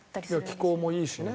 気候もいいしね。